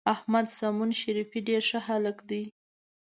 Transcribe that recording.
احمد سمون شریفي ډېر ښه هلک دی.